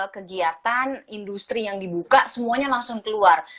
kegiatan industri yang dibuka semuanya langsung keluar